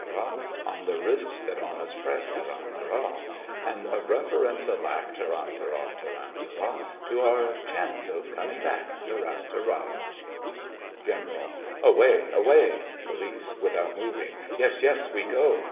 On the risks that on us press, Tarantara! And of reference a lack, Tarantara, tarantara! To our chance of coming back, Tarantara! GENERAL: Away, away! POLICE: (without moving) Yes, yes, we go.